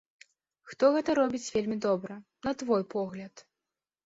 Хто гэта робіць вельмі добра, на твой погляд?